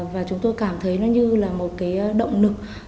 và chúng tôi cảm thấy nó như là một cái động lực